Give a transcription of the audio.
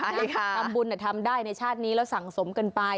ใช่ค่ะทำบุญทำได้ในชาตินี้แล้วสั่งสมกันไป